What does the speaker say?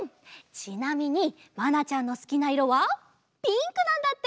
ちなみにまなちゃんのすきないろはピンクなんだって！